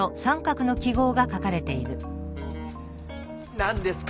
何ですか？